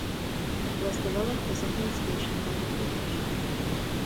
It was developed as a hill station by the British.